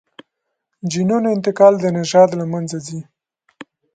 جینونو انتقال د نژاد له منځه ځي.